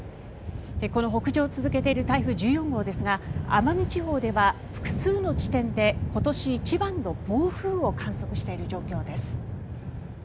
この北上を続けている台風１４号ですが奄美地方では複数の地点で今年一番の暴風を観測している状況です。